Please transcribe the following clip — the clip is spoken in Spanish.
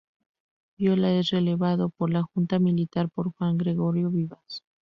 Viola es relevado por la junta militar por Juan Gregorio Vivas.